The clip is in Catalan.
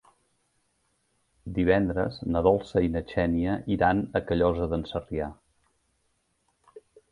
Divendres na Dolça i na Xènia iran a Callosa d'en Sarrià.